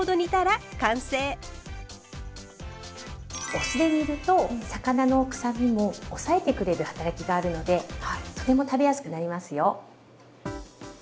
お酢で煮ると魚のくさみも抑えてくれる働きがあるのでとても食べやすくなりますよ。